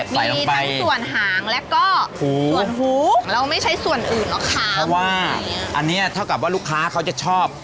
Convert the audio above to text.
เพราะว่าอันนี้เท่ากับว่าลูกค้าเขาจะชอบ